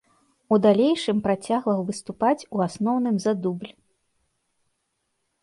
У далейшым працягваў выступаць у асноўным за дубль.